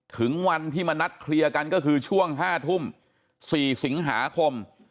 ถึงวันที่มานัดเคลียร์กันก็คือช่วง๕ทุ่ม๔สิงหาคม